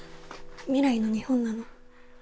未来の日本なの。